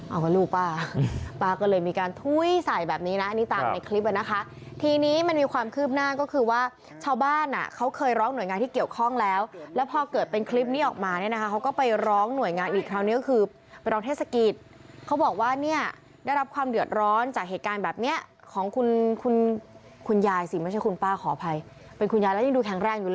เอาล่ะลูกป้าป้าก็เลยมีการทุ้ยใส่แบบนี้นะนี่ตามในคลิปแล้วนะคะทีนี้มันมีความคืบหน้าก็คือว่าชาวบ้านอ่ะเขาเคยร้องหน่วยงานที่เกี่ยวข้องแล้วแล้วพอเกิดเป็นคลิปนี้ออกมาเนี้ยนะคะเขาก็ไปร้องหน่วยงานอีกครั้งนี้ก็คือไปร้องเทศกีศเขาบอกว่าเนี้ยได้รับความเดือดร้อนจากเหตุการณ์แบบเนี้ยของคุณคุณคุ